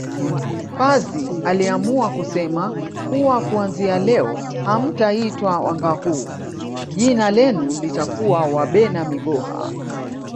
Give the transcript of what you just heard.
Pazi aliamua kusema kuwa kuanzia leo hamtaitwa Wangâhoo jina lenu litakuwa Wabena migoha